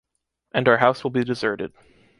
And our house will be deserted.